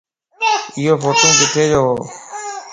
ايو ڦوٽو ڪٿي جووَ؟